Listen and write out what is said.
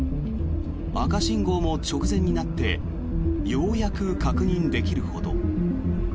赤信号も直前になってようやく確認できるほど。